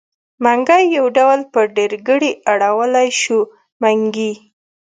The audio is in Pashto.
منګی يو ډول په ډېرګړي اړولی شو؛ منګي.